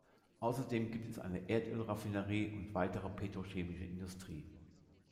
Außerdem gibt es eine Erdölraffinerie und weitere petrochemische Industrie.